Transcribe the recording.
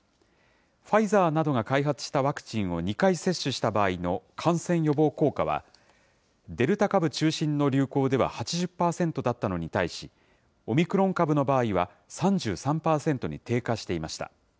ファイザーなどが開発したワクチンを２回接種した場合の感染予防効果は、デルタ株中心の流行では８０％だったのに対し、オミクロン株の場合は３３％に低下していました。